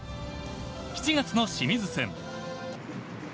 ７月の清水戦。